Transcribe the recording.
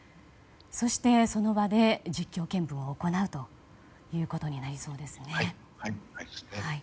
そして、その場で実況見分を行うということになりそうです。